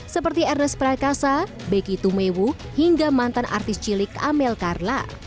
seperti ernest prakasa beki tumewu hingga mantan artis cilik amel karla